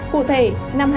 cụ thể năm hai nghìn hai mươi